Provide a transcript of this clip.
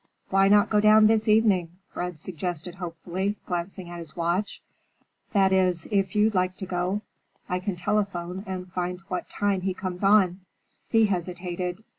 "Why not go down this evening?" Fred suggested hopefully, glancing at his watch. "That is, if you'd like to go. I can telephone and find what time he comes on." Thea hesitated.